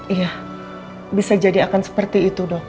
iya bisa jadi akan seperti itu dok